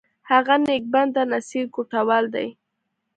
هغه نیک بنده، نصیر کوټوال دی!